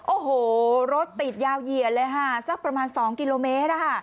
โอ้โหรถติดยาวเหยียดเลยค่ะสักประมาณ๒กิโลเมตร